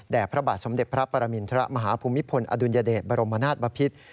พระบาทสมเด็จพระปรมินทรมาฮภูมิพลอดุลยเดชบรมนาศบพิษ